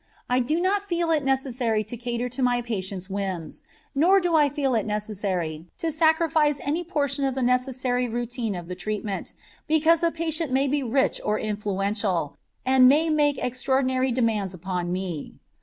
I do not feel it necessary to cater to my patient's whims, nor do I feel it necessary to sacrifice any portion of the necessary routine of the treatment because the patient may be rich or influential and may make extraordinary demands upon me.